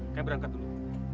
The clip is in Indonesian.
kami berangkat dulu